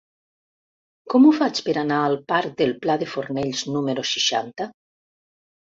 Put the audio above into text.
Com ho faig per anar al parc del Pla de Fornells número seixanta?